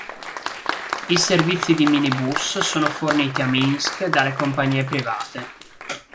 I servizi di minibus sono forniti a Minsk dalle compagnie private.